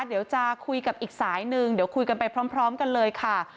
เดี๋ยวจะคุยกับอีกสายหนึ่งเดี๋ยวคุยกันไปพร้อมกันเลยค่ะ